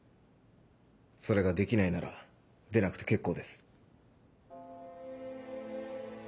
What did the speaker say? それができないなら出なくて結構です。